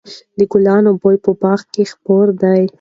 د ګلانو بوی په باغ کې خپور دی.